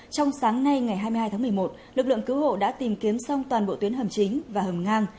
trong sáng nay ngày hai mươi hai tháng một mươi một lực lượng cứu hộ đã tìm kiếm xong toàn bộ tuyến hầm chính và hầm ngang